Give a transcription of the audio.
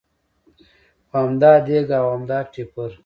خو همدا دېګ او همدا ټېپر.